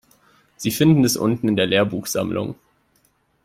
Sie finden es unten in der Lehrbuchsammlung.